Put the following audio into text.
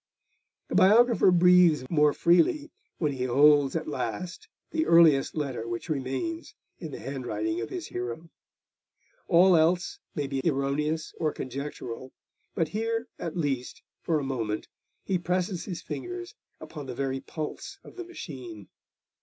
The biographer breathes more freely when he holds at last the earliest letter which remains in the handwriting of his hero. All else may be erroneous or conjectural, but here at least, for a moment, he presses his fingers upon the very pulse of the machine.